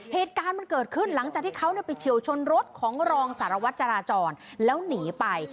เหตุการณ์มันเกิดขึ้นหลังจากที่เขาไปเฉียวชนรถของรองสารวัตรจราจรแล้วหนีไป